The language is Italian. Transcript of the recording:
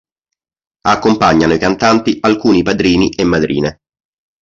Accompagnano i cantanti alcuni padrini e madrine.